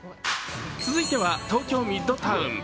続いては、東京ミッドタウン。